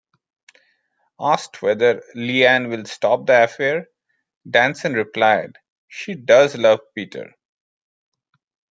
Asked whether Leanne will stop the affair, Danson replied: She does love Peter.